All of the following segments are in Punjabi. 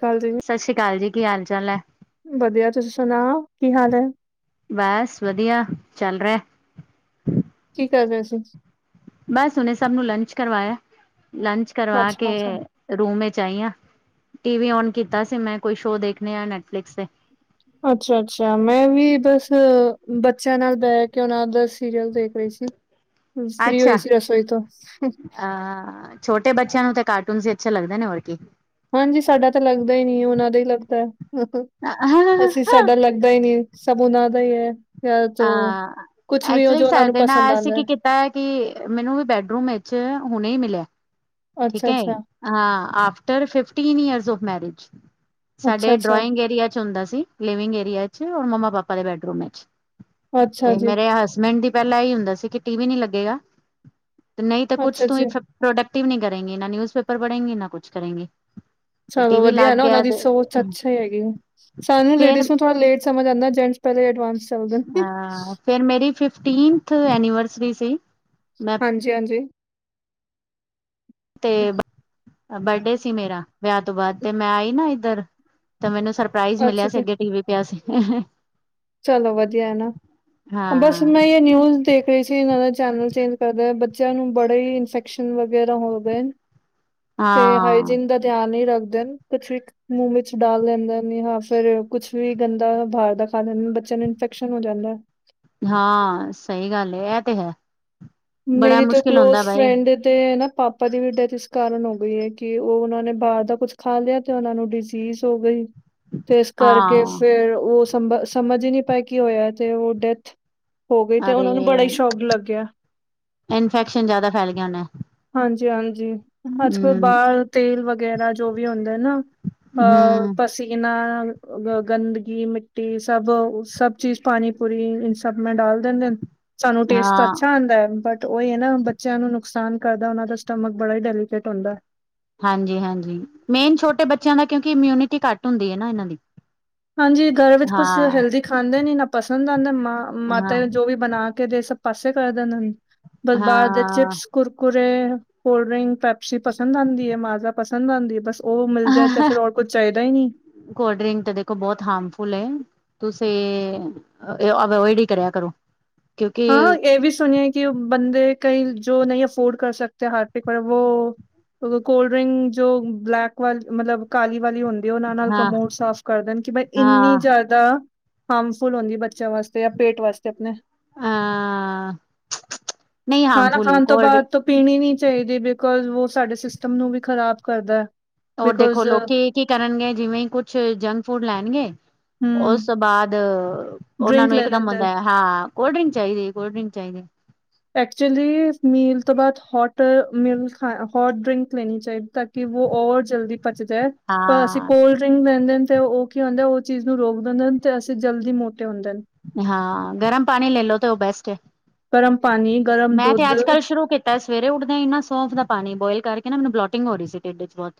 ਕੱਲ ਜਿਵੇਂ ਸਸ ਸ੍ਰੀ ਕਾਲ ਜੀ ਕੀ ਹਾਲ ਚਾਲ ਹੈ? ਵਧੀਆ ਤੁਸੀਂ ਸੁਣਾਓ ਕੀ ਹਾਲ ਹੈ। ਬਸ ਵਧੀਆ ਚੱਲ ਰਿਆ। ਕੀ ਕਰ ਰਏ ਸੀ। ਬਸ ਹੁਣੇ ਸਭ ਨੂੰ ਲੰਚ ਕਰਵਾਇਆ ਲੰਚ ਕਰਵਾ ਅੱਛਾ ਕੇ ਅੱਛਾ ਰੂਮ ਵਿੱਚ ਆਈ ਆ ਟੀ ਵੀ ਔਨ ਕੀਤਾ ਸੀ ਮੈਂ ਕੋਈ ਸ਼ੋਅ ਦੇਖਣੇ ਆ ਨੈਟਫਲਿਕਸ ਤੇ ਅੱਛਾ-ਅੱਛਾ ਮੈਂ ਵੀ ਬਸ ਬੱਚਿਆਂ ਨਾਲ ਬਹਿ ਕੇ ਉਹਨਾਂ ਦਾ ਸੀਰੀਅਲ ਦੇਖ ਪਈ ਸੀ ਫਰੀ ਹੋਈ ਸੀ ਰਸੋਈ ਤੋਂ ਅਹ ਛੋਟੇ ਬੱਚਿਆਂ ਨੂੰ ਤਾਂ ਕਾਰਟੂਨਸ ਹੀ ਅੱਛੇ ਲੱਗਦੇ ਨੇ ਹੋਰ ਕੀ ਹਾਂਜੀ ਸਾਡਾ ਤਾਂ ਲੱਗਦਾ ਹੀ ਨਈ ਉਹਨਾਂ ਦਾ ਹੀ ਲੱਗਦਾ [unintelligible] ਅਸੀਂ ਸਾਡਾ ਲੱਗਦਾ ਹੀ ਨਈ ਸਭ ਉਨਾ ਦਾ ਈ ਐ। ਯ ਤੋਂ ਹਾਂ ਕੁਛ ਵੀ ਓ ਜੋ ਉਹਨਾ ਨੂੰ ਪਸੰਦ ਆਂਦਾ। ਐ ਕਿ ਮੈਨੂੰ ਵੀ ਬੈਡਰੂਮ ਵਿੱਚ ਹੁਣੇ ਈ ਮਿਲਿਐ। ਠੀਕ ਅੱਛਾ ਏ ਅੱਛਾ ਆ after fifteen years of marriage ਅੱਛਾ ਸਾਡੇ ਅੱਛਾ ਡ੍ਰੋਇੰਗ ਏਰੀਆ 'ਚ ਹੁੰਦਾ ਸੀ ਲਿਵਿੰਗ ਏਰੀਆ 'ਚ ਔਰ ਮੰਮਾ ਪਾਪਾ ਦੇ ਬੈਡਰੂਮ 'ਚ ਅੱਛਾ ਤੇ ਜੀ ਮੇਰੇ ਹਸਬੈਂਡ ਦੀ ਪੈਲਾਂ ਐਈ ਹੁੰਦਾ ਸੀ ਕਿ ਟੀ ਵੀ ਨੀ ਲੱਗੇਗਾ। ਨਈ ਤੇ ਕੁਛ ਅੱਛਾ ਤੂੰ ਜੀ ਪ੍ਰੋਡਕਟਿਵ ਨੀ ਕਰੇਂਗੀ ਨਾ ਨਿਊਜ਼ ਪੇਪਰ ਪੜੇਂਗੀ ਨਾ ਕੁਛ ਕਰੇਂਗੀ। ਚਲੋ ਵਧੀਆ ਐਨਾ ਓਨਾਂ ਦੀ ਸੋਚ ਅੱਛੀ ਹੈਗੀ ਸਾਨੂੰ ਫਿਰ ਲੇਡੀਜ਼ ਨੂੰ ਥੋੜਾ ਲੇਟ ਸਮਝ ਆਂਦਾ ਜੈਂਟਸ ਪੈਲੇ ਐਡਵਾਂਸ ਚੱਲਦੇ ਨੇ। ਹਾਂ ਫੇਰ ਮੇਰੀ ਫਿਫਟੀਨਥ ਐਨੀਵਰਸਰੀ ਸੀ। ਮੈਂ ਹਾਂਜੀ-ਹਾਂਜੀ ਤੇ ਬਰਡੇ ਸੀ ਮੇਰਾ ਵਿਆਹ ਤੋਂ ਬਾਅਦ ਤੇ ਮੈਂ ਆਈ ਨਾ ਏਧਰ ਤੇ ਮੈਨੂੰ ਸਰਪ੍ਰਾਈਜ਼ ਅੱਛਾ ਮਿਲਿਆ ਸੀ ਜੀ ਅੱਗੇ ਟੀ ਵੀ ਪਿਆ ਸੀ। ਚਲੋ ਵਧੀਆ ਐ ਨਾ ਬਸ ਹਾਂ ਮੈਂ ਯੇ ਨਿਊਜ਼ ਦੇਖ ਏ ਸੀ ਚੈਨਲ ਚੇਂਜ ਕਰਦੇ ਬੱਚਿਆਂ ਨੂੰ ਬੜੇ ਈ ਇਨਫੈਕਸ਼ਨ ਵਗੈਰਾ ਹੋਗੇ ਨ। ਤੇ ਹਾਂ ਹਾਈਜੀਨ ਦਾ ਧਿਆਨ ਨਈ ਰੱਖਦੇ ਨ ਕੁਛ ਵੀ ਮੂੰਹ ਵਿੱਚ ਡਾਲ ਲੈਂਦੇ ਨੇ ਹਾਂ ਫਿਰ ਕੁਛ ਵੀ ਗੰਦਾ ਬਾਰ ਦਾ ਖਾ ਲੇਨ ਬੱਚਿਆਂ ਨੂੰ ਇਨਫੈਕਸ਼ਨ ਹੋ ਜਾਂਦਾ। ਹਾਂ ਸਈ ਗੱਲ ਏ ਐ ਤੇ ਹੈ। ਬੜਾ ਮੇਰੀ ਤੇ ਮੁਸ਼ਕਿਲ ਕਲੋਜ ਹੁੰਦਾ ਬਾਈ ਫਰੈਂਡ ਤੇ ਐ ਨਾ ਪਾ ਪਾ ਦੀ ਵੀ ਡੈਥ ਇਸ ਕਾਰਨ ਹੋ ਗਈ ਏ ਕਿ ਓ ਓਨਾਂ ਨੇ ਬਾਰ ਦਾ ਕੁਝ ਖਾ ਲਿਆ ਤੇ ਓਨਾਂ ਨੂੰ ਡਿਸੀਸ ਹੋ ਗਈ। ਤੇ ਏਸ ਕਰਕੇ ਹਾਂ ਫੇਰ ਓ ਸਮ ਸਮਝ ਈ ਨੀ ਪਾਏ ਕੀ ਹੋਇਆ ਤੇ ਓ ਡੈਥ ਹੋ ਗਈ ਤੇ ਅਰੇ ਉਹਨਾਂ ਨੂੰ ਬੜਾ ਹੀ ਸ਼ੌਕ ਲੱਗਿਆ ਇਨਫੈਕਸ਼ਨ ਜਾਦਾ ਫੈਲ ਗਿਆ ਹੋਨਾ। ਹਾਂਜੀ-ਹਾਂਜੀ ਅੱਜਕਲ ਬਾਰ ਤੇਲ ਵਗੈਰਾ ਜੋ ਵੀ ਹੁੰਦਾ ਐ ਨਾ। ਹਾਂ ਹੂੰ, ਪਸ ਸੀਨਾ ਅ ਗੰਦਗੀ ਮਿੱਟੀ ਸਭ-ਸਭ ਚੀਜ਼ ਪਾਣੀ ਪੁੂਰੀ ਇਨ ਸਭ ਮੇਂ ਡਾਲ ਦੇਂਦੇਨ। ਸਾਨੂੰ ਟੇਸਟ ਤਾਂ ਹਾਂ, ਅੱਛਾ ਆਂਦਾ ਐ ਬਟ ਓਈ ਐ ਨਾ ਬੱਚਿਆਂ ਨੂੰ ਨੁਕਸਾਨ ਕਰਦਾ ਓਨਾਂ ਦਾ ਸਟਮਕ ਬੜਾ ਈ ਡੈਲੀਕੇਟ ਹੁੰਦਾ। ਹਾਂਜੀ-ਹਾਂਜੀ ਮੇਨ ਛੋਟੇ ਬੱਚਿਆਂ ਦਾ ਕਿਉਂਕਿ ਇਮਿਊਨਿਟੀ ਘੱਟ ਹੁੰਦੀ ਐ ਨਾ ਏਨਾਂ ਦੀ ਹਾਂਜੀ ਘਰ ਵਿੱਚ ਕੁਛ ਹਾਂ, ਹੈਲਦੀ ਖਾਂਦੇ ਨੀ ਨਾ ਪਸੰਦ ਆਂਦਾ ਮ ਮਾਤਾ ਹਾਂ, ਜੋ ਵੀ ਬਣਾ ਕੇ ਦੇ ਸਭ ਪਾਸੇ ਕਰ ਦੇਂਦੇ ਨ ਬਸ ਬਾਰ ਦੇ ਹਾਂ। Chips Kurkure, cold drink, Pepsi ਪਸੰਦ ਆਂਦੀ ਏ ਮਾਜ਼ਾ ਪਸੰਦ ਆਂਦੀ ਏ ਬਸ ਓ ਮਿਲ ਜਾਏ ਤੇ ਫੇਰ ਔਰ ਕੁੱਝ ਚਾਹੀਦਾ ਈ ਨੀ। ਕੋਲ ਡਰਿੰਕ ਤੇ ਦੇਖੋ ਬੋਤ ਹਾਰਮਫੁਲ ਏ। ਤੁਸੀ ਅ ਏਵੋਇਡ ਈ ਕਰਿਆ ਕਰੋ। ਕਿਉਂਕਿ ਹਾਂ ਏ ਵੀ ਸੁਣਿਆ ਕਿ ਬੰਦੇ ਕਈ ਜੋ ਨਈ ਅਫੋਰਡ ਕਰ ਸਕਦੇ ਹਾਰ ਪਿਕ ਵੋ ਕੋਲ ਡਰਿੰਕ ਜੋ ਬਲੈਕ ਵਾ ਮਤਲਬ ਕਾਲੀ ਵਾਲੀ ਹੁੰਦ ਓਨਾਂ ਨਾਲ ਹਾਂ, ਕਮੋਡ ਸਾਫ਼ ਕਰਦੇਣ। ਕਿ ਬਈ ਇੰਨੀ ਹਾਂ, ਜਾ ਦਾ ਹਾਰਮਫੁਲ ਹੁੰਦੀ ਬੱਚੇਆਂ ਵਾਸਤੇ ਐ ਪੇਟ ਵਾਸਤੇ ਅਪਣੇ। ਆਂ ਖਾਣਾ ਖਾਣ ਤੋਂ ਬਾਦ ਤੋ ਪੀਣੀ ਨੀ ਚਾਹੀਦੀ ਬਿਕੋਜ ਵੋ ਸਾਡੇ ਸਿਸਟਮ ਨੂੰ ਵੀ ਖ਼ਰਾਬ ਕਰਦਾ ਐ। ਔਰ ਦੇਖੋ ਲੋਕੀ ਕੀ ਕਰਨਗੇ ਜਿਵੇਂ ਈ ਕੁਛ ਜੰਕ ਫੂਡ ਲੈਣਗੇ। ਹੂੰ ਓਸ ਤੋਂ ਬਾਦ ਔਨਾਂ ਡਰਿੰਕ ਨੂੰ ਲੈ ਇੱਕ ਦਮ ਲੈਂਦਾ ਹੁੰਦਾ ਐ ਹਾਂ ਕੋਲਡ ਡਰਿੰਕ ਚਾਈਦੀ ਕੋਲਡ ਡਰਿੰਕ ਚਾਈਦੀ। ਐਕਚੁਲੀ ਮੀਲ ਤੋਂ ਬਾਦ ਹੋਟ ਮਿਲ ਹੋਟ ਡਰਿੰਕ ਲੈਣੀ ਚਾਈਦੀ ਕ ਕਿ ਵੋ ਔਰ ਜਲਦੀ ਪਚ ਜਾਏ। ਪਰ ਅਸੀ ਹਾਂ ਕੋਲਡ ਡਰਿੰਕ ਲੇਂਦੇ ਨੇ ਤੇ ਓ ਕੀ ਹੁੰਦਾ ਐ, ਔ ਚੀਜ਼ ਨੂੰ ਰੋਕ ਦੇਂਦੇ ਨ ਤੇ ਅਸੀ ਜਲਦੀ ਮੋਟੇ ਹੁੰਦੇ ਨ। ਹਾਂ ਗਰਮ ਪਾਣੀ ਲੇ ਲੋ ਤੇ ਓ ਬੈਸਟ ਏ। ਗਰਮ ਪਾਣੀ ਗਰਮ ਦੁੱਧ। ਤਾਂ ਸਵੇਰੇ ਉਠਦਿਆਂ ਇ ਨਾ ਸੌਂਫ ਦਾ ਪਾਣੀ ਬੋਇਲ ਕਰਕੇ ਨਾ ਮੈਨੂੰ ਬਲੋਟਿੰਗ ਹੋ ਰੀ ਸੀ ਟੇਡ ਇਸ ਚ ਬੋਤ।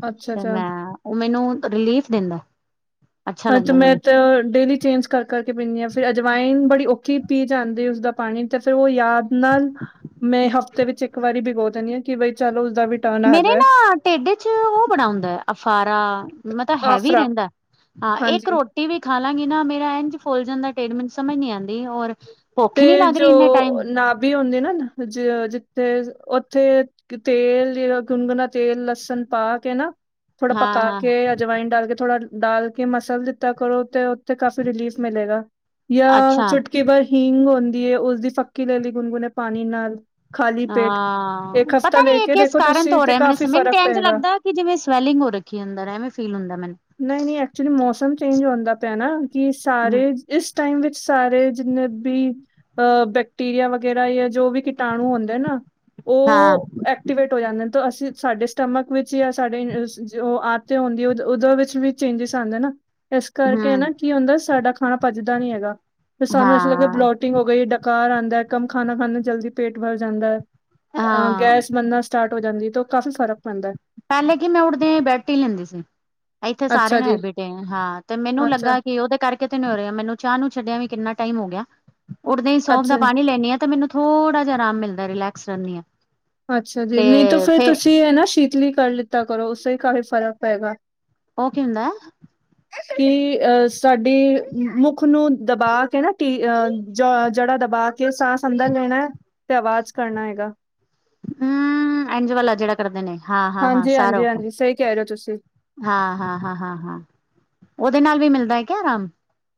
ਤੇ ਅੱਛਾ-ਅੱਛਾ ਮੈਂ ਓ ਮੈਨੂੰ ਰਿਲੀਫ਼ ਦੇਂਦਾ ਐ। ਹਾਂ ਤੇ ਮੈਂ ਤੇ ਡੇਲੀ ਚੇਂਜ ਕਰ ਕਰਕੇ ਪੀਨੀ ਆਂ। ਫਿਰ ਅਜਵਾਇਨ ਬੜੀ ਔ ਕਿ ਪੀ ਜਾਂਦੇ ਉਸਦਾ ਪਾਣੀ ਤੇ ਫੇਿਰ ਉਹ ਯਾਦ ਨਾਲ ਮੈਂ ਹਫ਼ਤੇ ਵਿੱਚ ਇੱਕ ਵਾਰੀ ਭਿਗਾੋ ਦਿੰਦੀ ਹਾਂ ਕਿ ਬਈ ਚਲ ਉਸਦਾ ਵੀ ਟਰਨ ਆ ਮੇਰੇ ਜਾਏ ਨਾ ਢਿੱਡ ਚ ਉਹ ਬੜਾ ਹੁੰਦਾ ਹੈ। ਅਫਾਰਾ ਮਤ ਤਾਂਬ ਹੈਵੀ ਆਫਰਾ ਰਹਿੰਦਾ ਹਾਂ ਹਾਂਜੀ ਇੱਕ ਰੋਟੀ ਵੀ ਖਾ ਲਾਂਗੀ ਨਾ ਮੇਰਾ ਇੰਝ ਫੁੱਲ ਜਾਂਦਾ ਢਿੱਡ ਮਿੰਟ ਸਮਝ ਨੀ ਆਂਦੀ ਔਰ ਭੁੱਖ ਤੇ ਹੀ ਨੀ ਲੱਗ ਜੋ ਰਹੀ ਇੰਨੇ ਟਾਈਮ ਨਾਭੀ ਹੁੰਦੇ ਨਾ ਜ ਜਿੱਥੇ ਉੱਥੇ ਤੇਲ ਜਿ ਗੁਨਗੁਣਾ ਤੇਲ ਲਸਣ ਪਾ ਕੇ ਨਾ ਥੋੜਾ ਹਾਂ ਪਕਾ ਹਾਂ ਕੇ ਅਜਵਾਇਨ ਡਾਲ ਕੇ ਥੋੜਾ ਦਾਲ ਕੇ ਮਸਾਲ ਦਿੱਤਾ ਕਰੋ ਤੇ ਉੱਥੇ ਕਾਫੀ ਰਿਲੀਫ਼ ਮਿਲੇਗਾ ਜਾਂ ਅੱਛਾ ਚੁਟਕੀ ਬਾਰ ਹਿੰਗ ਹੁੰਦੀ ਹੈ। ਉਸਦੀ ਫੱਕੀ ਲੈ ਲਈ ਗੁਨਗੁਨੇ ਹੈ ਪਾਣੀ ਨਾਲ ਖਾਲੀ ਪੇਟ ਹਾਂ ਇੱਕ ਹਫ਼ਤਾ ਪਤਾ ਲੈ ਨੀ ਇਹ ਕੇ ਕਿਸ ਦੇਖੋ ਕਾਰਨ ਤੋਂ ਤੁਸੀਂ ਹੋ ਤੇ ਰਿਹਾ ਮੈ ਕਾਫ਼ੀ ਨੂੰ ਤੇ ਫ਼ਰਕ ਐਂਜ ਚ ਪਏਗਾ। ਲੱਗਦਾ ਕਿ ਜਿਵੇਂ ਸਵੈਲਿੰਗ ਹੋ ਰ [unintelligible] ਨਹੀਂ, ਨਹੀਂ ਐਕਚੁਲੀ ਮੌਸਮ ਚੇਂਜ ਹੁੰਦਾ ਪਿਆ ਨਾ ਕਿ ਮੈਨੂੰ ਸਾਰੇ ਇਸ ਟਾਈਮ ਵਿੱਚ ਸਾਰੇ ਜਿੰਨੇ ਵੀ ਅਹ ਬੈਕਟੀਰੀਆ ਵਗੈਰਾ ਜਾਂ ਜੋ ਵੀ ਕੀਟਾਣੂ ਹੁੰਦੇ ਨਾ ਹਾਂ ਉਹ ਐਕਟੀਵੇਟ ਹੋ ਜਾਂਦੇ ਨੇ ਤਾਂ ਅਸੀਂ ਸਾਡੇ ਸਟਮਕ ਵਿੱਚ ਜਾਂ ਸਾਡੇ ਜੋ ਆਤੇ ਹੁੰਦੀ ਉੋਂ ਵਿੱਚ ਵੀ ਚੇਂਜਿਸ ਆਉਂਦੇ ਨਾ ਇਸ ਕਰਕੇ ਹੂੰ ਨਾ ਕੀ ਹੁੰਦਾ ਸਾਡਾ ਖਾਣਾ ਭੱਜਦਾ ਨੀ ਹੈਗਾ ਫ ਸਾਨੂੰ ਲ ਹਾਂ ਬਲੋ ਟਿੰਗ ਹੋ ਗਈ ਡਕਾਰ ਆਉਦਾ ਕੰਮ ਖਾਣਾ ਖਾਂਨੀ ਜਲਦੀ ਪੇਟ ਭਰ ਜਾਂਦਾ ਅਹ ਹਾਂ ਗੈਸ ਬਣਨਾ ਸਟਾਰਟ ਹੋ ਜਾਂਦੀ ਤੇ ਉਹ ਕਾਫ਼ੀ ਫ਼ਰਕ ਪੈਂਦਾ ਹੈ ਪੈਲੇ ਕਿ ਮੈਂ ਉੱਠਦੀਆਂ ਬੈਡ ਟੀ ਲੈਂਦੀ ਸੀ ਇੱਥੇ ਅੱਛਾ ਸਾਰੇਆਨੂੰ ਹੈ ਜੀ, ਬੀਟੇ ਹਾਂ ਤੇ ਮੈਨੂੰ ਅੱਛਾ, ਲੱਗਾ ਕਿ ਉਹਦੇ ਕਰਕੇ ਕਿਤੇ ਨ ਹੋ ਰਿਹਾ ਮੈਨੂੰ ਚਾਹ ਨੂੰ ਛੱਡਿਆ ਵੀ ਕਿੰਨਾ ਟਾਈਮ ਹੋ ਗਿਆ ਉਠਦੇ ਹੀ ਸੋਫ ਦਾ ਅੱਛਾ। ਪਾਣੀ ਲੈਣੀ ਆ ਤੇ ਮੈਨੂੰ ਥੋੜਾ ਜਿਹਾ ਆਰਾਮ ਮਿਲਦਾ ਰਿਲੈਕਸ ਰ ਆ ਅੱਛਾ ਜੀ ਨਹੀਂ ਤਾਂ ਤੇ ਫੇਿਰ ਫੇਰ ਤੁਸੀਂ ਹੈ ਨਾ ਸ਼ੀਤਲੀ ਕਰ ਲਿੱਤਾ ਕਰੋ ਉਸ ਤੋਂ ਹੀ ਕਾਫ਼ੀ ਫਰਕ ਪੈਗਾ ਉਹ ਕੀ ਹੁੰਦਾ [unintelligible] ਕਿ ਅਹ ਸਾਡੇ ਮੁੱਖ ਨੂੰ ਦਬਾਕੇ ਹੈ ਨਾ ਟੀ ਅ ਜੜਾ ਦਬਾਅ ਕਿ ਉਹ ਸਾਸ ਅੰਦਰ ਲੈਣਾ ਤੇ ਆਵਾਜ਼ ਕਰਨਾ ਹੈਗਾ ਹਮ ਇਝ ਵਾਲਾ ਜਿਹੜਾ ਕਰਦੇ ਨੇ ਹਾਂ, ਹਾਂ, ਹਾਂ ਹਾਂਜੀ ਸਾਰਾ ਹਾਂਜੀ ਹਾਂ, ਹਾਂਜੀ ਸਹੀ ਕਹਿ ਰਹੇ ਹੋ ਤੁਸੀਂ ਹਾਂ, ਹਾਂ, ਹਾਂ, ਹਾਂ ਉਹਦੇ ਨਾਲ ਵੀ ਮਿਲਦਾ ਹੈ ਕਿਆ ਆਰਾਮ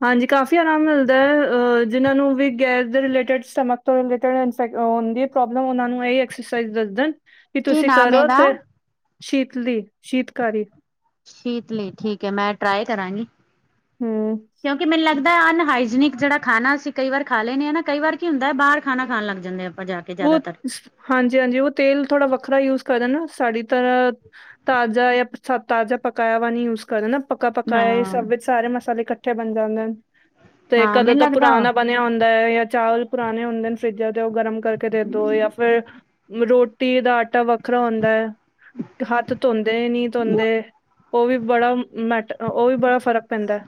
ਹਾਂਜੀ ਕਾਫੀ, ਆਰਾਮ ਮਿਲਦਾ ਅ ਜਿਨਾਂ ਨੂੰ ਵੀ ਗੈਸ ਦੇ ਰਿਲੇਟਡ, ਸਟਮਕ ਤੋਂ ਰਿਲੇਟਡ ਇੰਟਸਾ ਇਕ ਹੁੰਦੀ ਪ੍ਰੋਬਲਮ, ਓਨਾਂ ਨੂੰ ਏਈ ਐਕਸਰਸਾਈਜ਼ ਦੱਸਦੇ ਨ। ਵੀ ਕੀ ਤੁਸੀਂ ਨਾਮ ਕਰੋ ਇਹਦਾ ਤੇ, ਸ਼ੀਤਲੀ, ਸ਼ੀਤਕਾਰੀ ਸ਼ੀਤਲੀ, ਠੀਕ ਐ। ਮੈਂ ਟਰਾਈ ਕਰਾਂਗੀ। ਹਮ। ਕਿਉਂਕਿ ਮੈਨੂੰ ਲੱਗਦਾ, ਅਨ ਹਾਈਜੀਨਿਕ ਜੇਹੜਾ ਖਾਨਾ ਅਸੀਂ ਕਈ ਵਾਰ ਖਾ ਲੈੰਨੇ ਆ ਨਾ, ਕਈ ਵਾਰ ਕਿ ਹੁੰਦਾ ਬਾਰ ਖਾਨਾ ਖਾਣ ਲੱਗ ਜਾਂਨੇ ਆਂ, ਆਪਾਂ ਜਾ ਕੇ ਓ, ਜ਼ਿਆਦਾਤਰ ਹਾਂਜੀ- ਹਾਂਜੀ, ਓ ਤੇਲ ਥੋੜ੍ਹਾ ਵੱਖਰਾ ਯੂਜ ਕਰਨ ਨਾ ਸਾਡੀ ਤਰ੍ਹਾਂ ਤਾਜ਼ਾ ਜਾਂ ਤਾਜ਼ਾ ਪਕਾਏਆ ਵਾ ਨੀ ਯੂ ਕਰਨ ਨਾ ਪੱਕਾ, ਪੱਕਾ ਐ, ਹਾਂ ਸਬ ਵਿੱਚ ਸਾਰੇ ਮਸਾਲੇ ਇਕੱਠੇ ਬਣ ਜਾਂਦੇ ਨ। ਤੇ ਹਾਂ ਕਦੇੋਂ ਮੈਨੂੰ ਤਾਂ ਲੱਗਦਾ ਵਾ ਪੁਰਾਨਾ ਬਨੇਆ ਹੁੰਦਾ, ਯਾ ਚਾਵਲ ਪੁਰਾਣੇ ਹੁੰਦੇ ਨੇ, ਫਰਿੱਜਾਂ 'ਚੋ ਗਰਮ ਕਰਕੇ ਦੇ, ਦੋ ਯਾ ਫੇਰ, ਰੋਟੀ ਦਾ ਆਟਾ ਵੱਖਰਾ ਹੁੰਦਾ। ਹੱਥ ਧੋਂਦੇ ਨੀਂ ਧੋਂਦੇ, ਓ ਵੀ ਬੜਾ ਮੈਟਰ ਓ ਵੀ, ਬੜਾ ਫ਼ਰਕ ਪੈਂਦਾ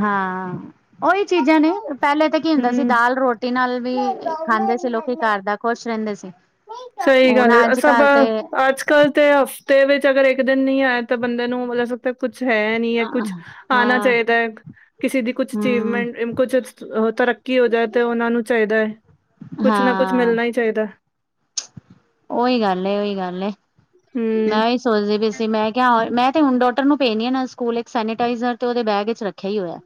ਹਾਂ। ਓਈ ਚੀਜਾਂ ਨੇ ਪੈਲੇ ਤੇ ਕੀ ਹੁੰਦਾ ਹੂੰ। ਸੀ, ਦਾਲ ਰੋਟੀ ਨਾਲ ਵੀ ਖਾਂਦੇ ਸੀ, ਲੋਕੀ ਘਰ ਦਾ ਖੁਸ਼ ਰੈੰਦੇ ਸੀ। ਸਈ ਹੁਣ ਗੱਲ ਐ ਅੱਜ ਸਬ ਕੱਲ ਤੇ ਅੱਜ ਕੱਲ ਤੇ ਹਫਤੇ ਵਿੱਚ, ਅਗਰ ਇੱਕ ਦਿਨ ਨੀ ਆਏਆ ਤੇ ਬੰਦੇ ਨੂੰ ਦਸ ਕੁਛ ਹੈ ਨੀਂ ਐ, ਕੁਛ ਆਨਾ ਹਾਂ ਚਾਈਦਾ, ਕਿਸੇ ਦੀ ਕੁਛ ਹਮ ਚੀਵਮੈਂਟ ਕੁਛ ਤਰੱਕੀ ਹੋ ਜਾਏ ਤੇ, ਓਨਾਂ ਨੂੰ ਚਾਈਦਾ, ਕੁਛ ਨਾ ਕੁਛ ਹਾਂ ਮਿਲਣਾ ਈ ਚਾਈਦਾ ਉਹੀ ਗੱਲ ਏ, ਉਹੀ ਗੱਲ ਏ ਹਮ ਮੈਂ ਹੀ ਸੋਚਦੇ ਪੀ ਸੀ ਮੈਂ ਕਿਹਾ ਮੈਂ ਤੇ ਹੁਣ ਡੋਟਰ ਨੂੰ ਪੇਣੀ ਆ ਨਾ ਸਕੂਲ ਇੱਕ ਸੈਨਟਾਈਜ਼ਰ ਤੇ ਉਹਦੇ ਬੈਗ ਵਿੱਚ ਰੱਖਿਆ ਹੀ ਹੋਇਆ।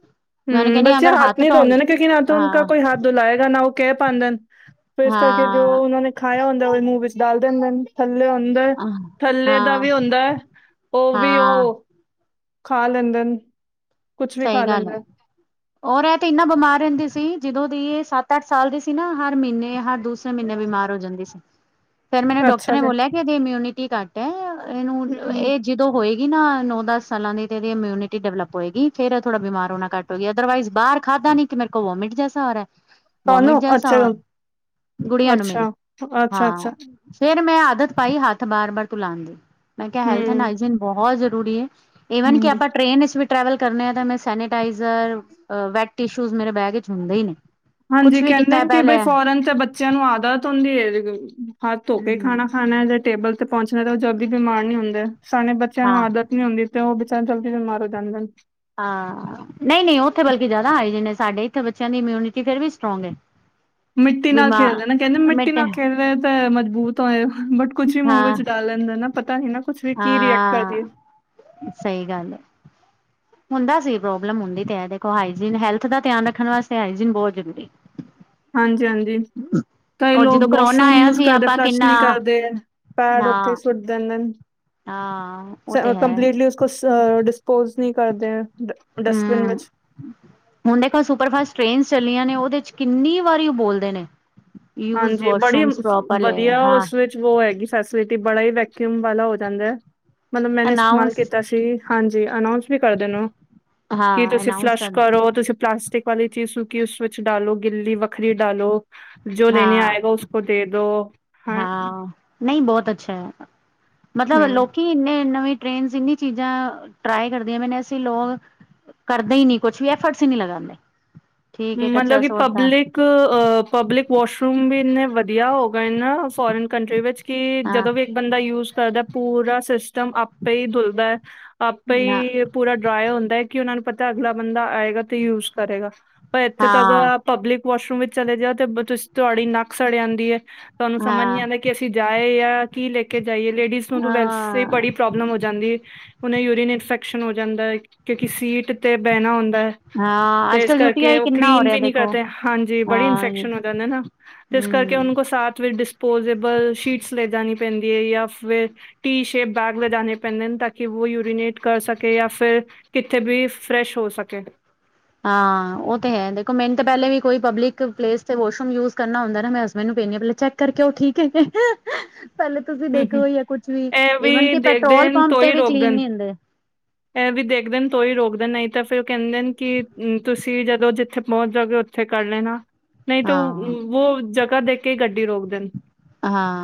ਮੈਂ ਉਹਨੂੰ ਹਮ ਕਹਿੰਦੀ ਬੱਚੇ ਅਗਰ ਹੱਥ ਨੀ ਧੋਣ ਤੋਂਦੇ ਨੇ ਕਿਉਂਕਿ ਨਾ ਤਾਂ ਹਾਂ ਉਨਕਾ ਕੋਈ ਹੱਥ ਦੁਲ ਲਏਗਾ ਨਾ ਉਹ ਕਹਿ ਪਾਂਦੇ ਨ। ਫੇਰ ਇਸ ਕਰਕੇ ਜੋ ਹਾਂ, ਉਹਨਾ ਨੇ ਖਾਇਆ ਹੁੰਦਾ ਉਹ ਮੂੰਹ ਵਿੱਚ ਡਲ ਦਿੰਦੇ ਨ। ਥੱਲੇ ਹੁੰਦਾ ਅਹ, ਥੱਲੇ ਦਾ ਹਾਂ, ਵੀ ਹੁੰਦਾ ਹੈ ਉਹ ਵੀ ਹਾਂ ਉਹ ਖਾ ਲੈਂਦੇ ਨੇ। ਕੁਛ ਵੀ ਸਹੀ ਖਾ ਗੱਲ ਏ। ਲੈਂਦੇ ਔਰ ਇਹ ਤੇ ਇੰਨਾ ਬਿਮਾਰ ਰਹਿੰਦੀ ਸੀ, ਜਦੋਂ ਦੀ ਇਹ ਸੱਤ- ਅੱਠ ਸਾਲ ਦੀ ਸੀ ਨਾ ਹਰ ਮਹੀਨੇ ਹਰ ਦੂਸਰੇ ਮਹੀਨੇ ਬਿਮਾਰ ਹੋ ਜਾਂਦੀ ਸੀ। [unintelligible] ਫਿਰ ਮੈਨੂੰ ਡਾਕਟਰ ਅੱਛਾ ਨੇ ਜੀ ਬੋਲਿਆ ਕਿ ਇਹਦੀ ਇਮਿਊਨਿਟੀ ਘੱਟ ਹੈ ਇਹਨੂੰ ਹਮ ਇਹ ਜਦੋਂ ਹੋਏਗੀ ਨਾ ਨੌ- ਦਸ ਸਾਲਾਂ ਦੀ ਤੇ ਇਹਦੀ ਇਮਿਊਨਿਟੀ ਡਿਵਲਪ ਹੋਏਗੀ। ਫੇਰ ਏਹ ਥੋੜਾ ਬਿਮਾਰ ਹੋਣਾ ਘੱਟ ਹੋ ਗਿਆ, ਅਰਦਰਵਾਈਜ਼ ਬਾਹਰ ਖਾਧਾ ਨ ਕਿ ਮੇਰੇ ਕੋ ਮੋਵੋਿਟ ਜੈਸਾ ਆ ਰਹਾ ਹੈ। ਵੋਮਿਟ ਤੁਹਾਨੂੰ ਜੈਸਾ ਅੱਛਾ, ਆ ਗੁੜੀਆਂ ਨੂੰ ਮੇਰੀ ਅੱਛਾ, ਹਾਂ। ਅੱਛਾ-ਅੱਛਾ, ਫੇਰ ਮੈਂ ਆਦਤ ਪਾਈ ਹੱਥ ਬਾਰ- ਬਾਰ ਤੁਲਨਾ ਦੀ, ਮੈਂ ਕਿਹਾ ਹੈਲਥ ਨਾ ਹੂੰ, ਆਈਜਿਨ ਬਹੁਤ ਜ਼ਰੂਰੀ ਹੈ, ਇਵਨ ਕਿ ਹੂੰ, ਆਪਾਂ ਟ੍ਰੇਨ ਵਿਚ ਵੀ ਟਰੈਵਲ ਕਰਨੇ ਆ ਤਾਂ ਮੈਂ ਸੈਨੇਟਾਈਜ਼ਰ ਵੈਟ ਟਿਸ਼ੂਜ ਮੇਰੇ ਬੈਗ ਵਿੱਚ ਹੁੰਦੇ ਹੀ ਨੇ। ਹਾਂਜੀ ਕੁਛ ਵੀ ਕਹਿੰਦੇ ਕੀਤਾ ਨੇ ਕਿ ਬਈ ਪਹਿਲੇ ਫੋਰਨ ਤੇ ਬੱਚਿਆਂ ਨੂੰ ਆਦਤ ਹੁੰਦੀ ਹੈ ਹੱਥ ਧੋ ਕੇ ਹੂੰ ਖਾਣਾ। ਖਾਣਾ ਜਾਂ ਟੇਬਲ ਤੇ ਪਹੁੰਚਣਾ ਤਾਂ ਉਹ ਜਲਦੀ ਬਿਮਾਰ ਨੀ ਹੁੰਦੇ ਸਾਡੇ ਬੱਚਿਆਂ ਨੂੰ ਹਾਂ ਆਦਤ ਨਹੀ ਹੁੰਦੀ ਤੇ ਉਹ ਬੇਚਾਰੇ ਥੋੜੇ ਜਲਦੀ ਬਿਮਾਰ ਹੋ ਜਾਂਦੇ। ਹਾਂ ਹਾ ਹਾ। ਨਈਂ ਨਈਂ, ਓਥੇ ਬਲਕਿ ਜਾਦਾ ਹਾਈਜੈਨ ਐ, ਸਾਡੇ ਇੱਥੇ ਬੱਚੇਆਂ ਦੀ ਇਮਿਊਨਿਟੀ ਫੇਰ ਵੀ ਸਟਰੋਂਗ ਐ। ਮਿੱਟੀ ਨਾਲ ਖੇਲਦੇ ਨ, ਕੈਂਦੇ, ਮਿੱਟੀ ਮਿਟ ਨਾਲ ਖੇਲੇ ਤੇ ਮਜਬੂਤ ਹੋਏ ਬਟ ਕੁਛ ਵੀ ਮੂੰਹ ਹਾਂ ਵਿੱਚ ਡਾਲ ਲੈਂਦੇ ਨਾ, ਪਤਾ ਨੀਂ ਨਾ। ਕੁਛ ਵੀ ਕੀ ਰਿਐਕਟ ਕਰਦੀ ਏ ਹਾਂ, ਸਈ ਗੱਲ ਐ। ਹੁੰਦਾ ਸੀ ਪ੍ਰੋਬਲਮ, ਹੁੰਦੀ ਤੇ ਹੈ ਦੇਖੋ, ਹਾਈਜੀਨ ਹੈਲਥ ਦਾ ਧਿਆਨ ਰੱਖਣ ਵਾਸਤੇ ਹਾਈਜੀਨ ਬਹੁਤ ਜਰੂਰੀ। ਹਾਂਜੀ -ਹਾਂਜੀ। ਕਈ ਔਰ ਲੋਕ ਜਦੋਂ ਕਰੋਨਾ ਵਾਸ਼ਰੂਮ ਆਇਆ ਯੂਜ ਸੀ ਕਰਦੇ, ਆਪਾਂ ਫਲੱਸ਼ ਕਿੰਨਾ ਨੀਂ ਕਰਦੇ, ਪੈਡ ਨਾ ਉੱਥੇ ਸੁੱਟ ਦੇੰਦੇ ਨ ਹਾਂ ਉਹ ਤੇ ਹੈ ਕੰਪਲੀਟਲੀ ਉਸ ਕੋ ਡਿਸਪੋਜ ਨੀਂ ਕਰਦੇ। ਡਸਟਬਿਨ ਹਮ ਵਿੱਚ ਹੁਨ ਦੇਖੋ, ਸੁਪਰ ਫਾਸਟ ਟ੍ਰੇਨਸ ਚੱਲੀਆਂ ਨੇ, ਓਦੇ 'ਚ ਕਿੰਨੀ ਵਾਰੀ ਬੋਲਦੇ ਨੇ। ਯੂਜ ਹਾਂਜੀ, ਬੜੀ ਵਾਸ਼ਰੂਮਸ ਪ੍ਰੋਪਰਲੀ ਵਧੀਆ ਹਾਂ ਓਸ ਵਿੱਚ ਓ ਹੈਗੀ, ਫੈਸਲਿਟੀ ਬੜਾ ਈ ਵੈਕਊਮ ਵਾਲਾ ਹੋ ਜਾਂਦਾ, ਮਤਲਬ ਮੈੰਨੇ, ਇਸਤਮਾਲ ਅਨਾਊਂਸ ਕੀਤਾ ਸੀ। ਹਾਂਜੀ, ਅਨਾਊਂਸ ਵੀ ਕਰਦੇ ਨ ਓ, ਕਿ ਹਾਂ ਤੁਸੀਂ ਅਨਾਊਂਸ ਫਲੱਸ਼ ਕਰਨਾ ਕਰੋ, ਤੁਸੀਂ ਪਲਾਸ ਟਿਕ ਵਾਲੀ ਚੀਜ਼, ਕਿ ਉਸ ਵਿੱਚ ਵਿੱਚ ਡਾਲੋ, ਗਿੱਲੀ ਵੱਖਰੀ ਡਾਲੋ, ਜੋ ਲੈੇਨੇ ਹਾਂ ਆਏਗਾ ਉਸ ਕੋ, ਦੇ ਦੋ। ਹਾਂ, ਨਈ ਬੌਤ ਅੱਛਾ ਹੈ, ਮਤਲਬ ਹਮ ਲੋਕੀ ਇੰਨੇ ਨਵੇਂ ਟ੍ਰੇਨਸ ਇੰਨੀ ਚੀਜ਼ਾਂ ਟਰਾਈ ਕਰਦੇ ਨੇ, ਅਸੀ ਲੋਗ ਕਰਦੇ ਹੀ ਨੀ ਕੁਛ ਵੀ, ਐਫਰਟਸ ਈ ਨੀਂ ਲਗਾਂਦੇ। ਮਤਲਬ ਕਿ, ਪਬਲਿਕ ਅ ਪਬਲਿਕ ਵਾਸ਼ਰੂਮ ਵੀ ਇੰਨੇ ਵਧੀਆ ਹੋ ਗਏ ਨਾ, ਫੋਰਨ ਕੰਟਰੀ ਵਿੱਚ ਕਿ ਹਾਂ ਜਦੋਂ ਵੀ ਬੰਦਾ ਯੂਜ ਕਰਦਾ, ਪੂਰਾ ਸਿਸਟਮ ਆਪੇ ਈ ਦੁਲਦਾ। ਆਪੇ ਹਾਂ ਹੀ ਪੂਰਾ ਡਰਾਏ ਹੁੰਦਾ, ਕਿ ਓਨਾਂ ਨੂੰ ਪਤਾ, ਅਗਲਾ ਬੰਦਾ ਆਏਗਾ ਤੇ ਯੂਜ ਕਰੇਗਾ। ਪਰ ਇੱਥੇ ਤਾਂ, ਹਾਂ ਪਬਲਿਕ ਵਾਸ਼ਰੂਮ ਵਿੱਚ ਚਲੇ ਜਾਓ ਤੇ ਤੁਸ, ਤੁਆਡੀ ਨੱਕ ਸੜ ਜਾਂਦੀ ਐ। ਤੁਹਾਨੂੰ ਸਮਝ ਨੀਂ ਹਾਂ ਆਉਂਦਾ, ਕਿ ਅਸੀਂ ਜਾਏ ਜਾਂ ਕੀ ਲੈ ਕੇ ਜਾਈਏ, ਲੇਡੀਜ਼ ਨੂੰ ਤੇ ਵੈਸੇ ਈ ਹਾਂ ਬੜੀ ਪ੍ਰੋਬਲਮ ਹੋ ਜਾਂਦੀ, ਹੁਨ ਯੂਰੀਨ ਇਨਫੈਕਸ਼ਨ ਹੋ ਜਾਂਦਾ, ਕਿਉਂਕਿ ਸੀਟ 'ਤੇ ਬੈਹਣਾ ਹੁੰਦਾ। ਹਾਂ ਅੱਜ ਕੱਲ ਯੂ ਕੇ ਉਹ ਕਲੀਨ ਵੀ ਨੀ ਕਰਦੇ, ਹਾਂਜੀ ਬੜੀ ਹਾਂ ਇਨਫੈਕਸ਼ਨ ਹੋ ਜਾਂਦਾ। ਤੇ ਇਸ ਕਰਕੇ ਉਹ ਹਮ ਕੋ ਸਾਥ ਵਿੱਚ ਡਿਸਪੋਜੇਬਲ, ਸ਼ੀਟਸ ਲੈ ਜਾਣੀ ਪੈਂਦੀ ਹੈ ਜਾਂ ਫਿਰ ਟੀ ਸ਼ੇਪ ਬੈਗ ਲਗਾਣੇ ਪੈਂਦੇ ਹਨ ਤਾਂ ਕਿ ਉਹ ਯੂਰੀਨੇਟ ਕਰ ਸਕੇ ਜਾਂ ਫਿਰ ਕਿੱਥੇ ਵੀ ਫਰੈਸ਼ ਹੋ ਸਕੇ ਹਾਂ ਉਹ ਤੇ ਹੈ ਦੇਖੋ ਮੈਨੂੰ ਤਾਂ ਪਹਿਲੇ ਵੀ ਕੋਈ ਪਬਲਿਕ ਪਲੇਸ ਤੇ ਵਾਸ਼ਰੂਮ ਯੂਜ ਕਰਨਾ ਹੁੰਦਾ ਨਾ ਮੈਂ ਹਸਬੈਂਡ ਨੂੰ ਕੈਂਦੀ ਹਾਂ ਪਹਿਲੇ ਚੈੱਕ। ਕਰਕੇ ਉਹ ਠੀਕ ਹੈ ਪਹਿਲੇ। ਤੁਸੀਂ ਹੂੰ ਹੂੰ ਦੇਖੋ ਹੀ ਹੈ ਕੁਛ ਵੀ ਇਹ ਈਵਨ ਕਿ ਦੇਖਦੇ ਪੈਟਰੋਲ ਨੇ ਪੰਪ ਤੋਂ ਤੇ ਹੀ ਵੀ ਰੋਕਦੇ ਕਲੀਨ ਨੇ ਨਹੀਂ ਹੁੰਦੇ। ਇਹ ਵੀ ਦੇਖਦੇ ਤੂੰਈ ਰੋਕਦੇ ਨਹੀਂ ਤਾਂ ਫੇਰ ਉਹ ਕਹਿੰਦੇ ਨੇ ਕਿ ਤੁਸੀਂ ਜਦੋਂ ਜਿੱਥੇ ਪਹੁੰਚ ਜਾਗੇ ਉਥੇ। ਉੱਥੇ ਕਰ ਲੈਣਾ ਨਹੀਂ ਤਾਂ ਹਾਂ ਉਹ ਜਗ੍ਹਾ ਦੇਖ ਕੇ ਹੀ ਗੱਡੀ ਰੋਕ ਦੇਣ।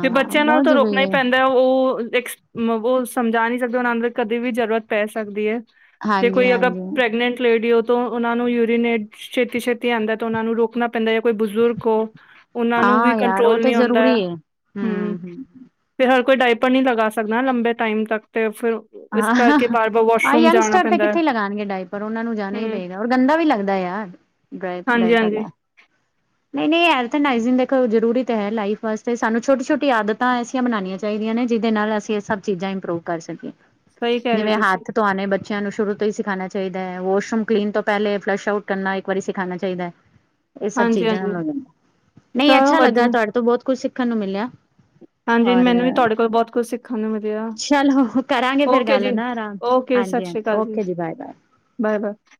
ਤੇ ਬੱਚਿਆਂ ਨਾਲ ਬਹੁਤ ਤਾਂ ਜ਼ਰੂਰੀ ਰੋਕਣਾ ਹੀ ਹੈ ਪੈਂਦਾ। ਉਹ ਉਹ ਸਮਝਾ ਨਹੀਂ ਸਕਦੇ ਉਹਨਾ ਅੰਦਰ ਕਦੇ ਵੀ ਜਰੂਰਤ ਪੈ ਸਕਦੀ ਹੈ। ਤੇੇ ਹਾਂਜੀ ਕੋਈ ਅਗਰ ਹਾਂਜੀ ਪ੍ਰੈਗਨੈਂਟ ਲੇਡੀ ਉਹ ਤੋਂ ਉਹਨਾਂ ਨੂੰ ਯੂਰੀਨੇਟ ਛੇਤੀ ਛੇਤੀ ਆਉਂਦਾ ਤੇ ਉਹਨਾਂ ਨੂੰ ਰੋਕਣਾ ਪੈਂਦਾ ਜਾਂ ਕੋਈ ਬਜ਼ੁਰਗ ਹੋ ਉਹਨਾਂ ਨੂੰ ਵੀ ਹਾਂ ਯਾਰ ਉਹ ਕੰਟਰੋਲ ਨੀ ਤੇ ਆਉਂਦਾ। ਜ਼ਰੂਰੀ ਹੈ ਹੂੰ। ਹਮ ਹਮ ਫਿਰ ਹਰ ਕੋਈ ਡਾਇਪਰ ਨਹੀਂ ਲਗਾ ਸਕਦਾ ਲੰਬੇ ਟਾਈਮ ਤੱਕ ਤੇ ਫਿਰ। ਇਸ ਆਹ ਕਰਕੇ ਹੋ ਬਾਰ ਬਾਰ ਆਹ ਵਾਸ਼ਰੂਮ ਜਾਣਾ ਯੰਗਸਟਰ ਤੇ ਪੈਂਦਾ ਹੈ ਕਿੱਥੇ ਲਗਾਉਣਗੇ ਡਾਇਪਰ ਉਹਨਾਂ ਨੂੰ ਜਾਣਾ ਹੀ ਹਮ ਪਏਗਾ ਔਰ ਗੰਦਾ ਵੀ ਲੱਗਦਾ ਯਾਰ। ਬਲੈਕ ਕਢਾਈ ਹਾਂਜੀ ਹਾਂਜੀ ਵਾਲਾ [inaudible] ਨਹੀਂ ਨਹੀਂ ਜਰੂਰੀ ਤਾਂ ਹੈ ਲਾਈਫ ਵਾਸਤੇ ਸਾਨੂੰ ਛੋਟੀ ਛੋਟੀ ਆਦਤਾਂ ਲਾਈਫ ਵਾਸਤੇ ਸਾਨੂੰ ਛੋਟੀ ਛੋਟੀ ਆਦਤਾਂ ਐਸੀ ਬਣਾਉਣੀਆਂ ਚਾਹੀਦੀਆਂ ਨੇ ਜਿਹਦੇ ਨਾਲ ਅਸੀਂ ਇਹ ਸਭ ਚੀਜ਼ਾਂ ਇੰਪਰੂਵ ਕਰ ਸਕੀਏ ਸਹੀ ਕਹਿ ਰਹੇ ਹੋ ਜਿਵੇਂ ਤੁਸੀਂ ਹੱਥ ਧੂਣੇ ਬੱਚੇ। ਬੱਚੇ ਨੂੰ ਸ਼ੁਰੂ ਤੋਂ ਸਿਖਾਣਾ ਚਾਹੀਦਾ ਹੈ, ਵਾਸ਼ਰੂਮ ਕਲੀਨ ਤੋਂ ਪਹਿਲੇ ਫਲਸ਼ ਆਊਟ ਕਰਨਾ ਇਕ ਵਾਰੀ ਸਿਖਾਣਾ ਚਾਹੀਦਾ ਹੈ। [inaudible] ਇਹ ਸਭ ਚੀਜ਼ਾਂ ਹਾਂਜੀ ਦਾ, ਨਹੀਂ ਚਲੋ ਅੱਛਾ ਲੱਗਾ ਵਧੀਆ ਤੁਹਾਡੇ ਤੋਂ ਬਹੁਤ ਕੁੱਝ ਸਿੱਖਣ ਨੂੰ ਮਿਲਿਆ। ਹਾਂਜੀ ਔਰ ਮੈਨੂੰ ਵੀ ਤੁਹਾਡੇ ਕੋਲ ਬਹੁਤ ਕੁਛ ਸਿੱਖਣ ਨੂੰ ਮਿਲਿਆ। ਚਲੋ ਕਰਾਂਗੇ ਓ ਫੇਰ ਜੀ ਗੱਲ ਨਾ ਆਰਾਮ ਓਕੇ ਹਾਂਜੀ ਸਤਿ ਸ਼੍ਰੀ ਹਾਂਜੀ ਅਕਾਲ ਜੀ okay bye bye bye bye.